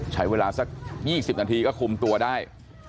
ใช้เวลาสัก๒๐นาทีก็คุมตัวได้